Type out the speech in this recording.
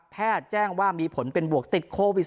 แจ้งว่ามีผลเป็นบวกติดโควิด๑